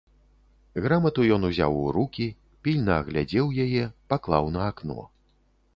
Грамату ён узяў у рукі, пільна агледзеў яе, паклаў на акно.